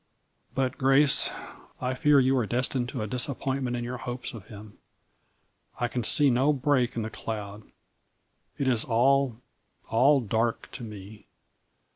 But, Grace, I fear you are destined to a disap pointment in your hopes of him. I can see no break in the cloud. It is all, all dark to me."